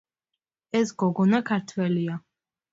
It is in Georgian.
ეს გოგონა ქართველია